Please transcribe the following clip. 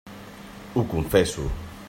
Ho confesso.